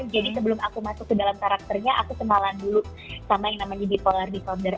jadi sebelum aku masuk ke dalam karakternya aku kenalan dulu sama yang namanya bipolar disorder